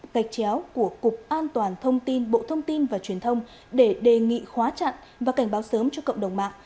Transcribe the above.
gạch chéo của cục an toàn thông tin bộ thông tin và truyền thông để đề nghị khóa chặn và cảnh báo sớm cho cộng đồng mạng